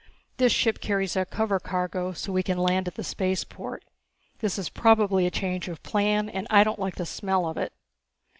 This ship carries a cover cargo so we can land at the spaceport. This is probably a change of plan and I don't like the smell of it."